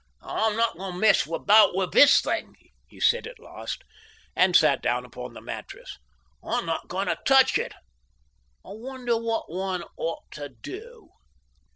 "I'm not going to mess about with the thing," he said at last, and sat down upon the mattress. "I'm not going to touch it.... I wonder what one ought to do?"